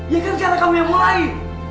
ya kan karena kamu yang mulai